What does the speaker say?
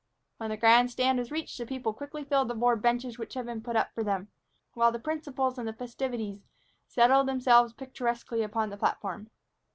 When the grand stand was reached, the people quickly filled the board benches which had been put up for them, while the principals in the festivities settled themselves picturesquely upon the platform.